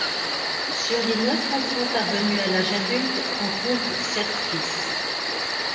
Sur les neuf enfants parvenus à l'âge adulte, on compte sept fils.